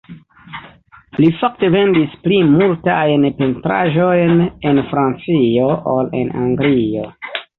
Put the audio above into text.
Li fakte vendis pli multajn pentraĵojn en Francio ol en Anglio.